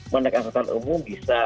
nah naik angkotan umum bisa